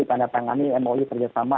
untuk menangani mou kerjasama